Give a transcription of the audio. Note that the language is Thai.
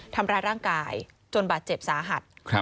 ทำร้ายร่างกายจนบาดเจ็บสาหัส